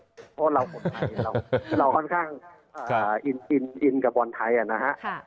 เพราะว่าเราคนไทยเราค่อนข้างอินกับบอลไทยนะฮะ